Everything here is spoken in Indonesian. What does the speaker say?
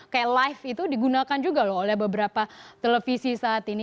kayak live itu digunakan juga loh oleh beberapa televisi saat ini